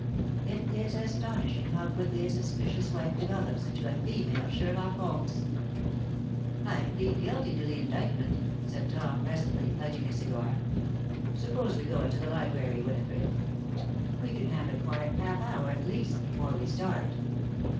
It is astonishing how quickly a suspicious wife develops into a female Sherlock Holmes! "I plead guilty to the indictment," said Tom presently, lighting a cigar. "Suppose we go into the library, Winifred. We can have a quiet half hour at least before we start."